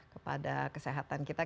kepada kesehatan kita